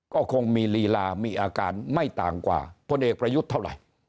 ก็คงมีลีลามีอาการไม่ต่างกว่าพลเอกประยุทธ์เท่าไหร่